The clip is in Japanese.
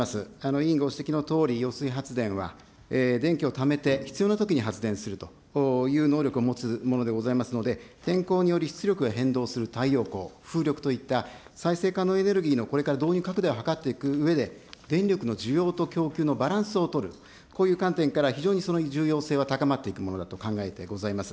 委員ご指摘のとおり、揚水発電は電気をためて必要なときに発電するという能力を持つものでございますので、天候により出力が変動する太陽光、風力といった再生可能エネルギーのこれから導入拡大を図っていくうえで、電力の需要と供給のバランスを取る、こういう観点から非常に重要性は高まっていくものだと考えてございます。